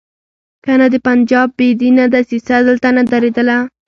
کنه د پنجاب بې دینه دسیسه دلته نه درېدله.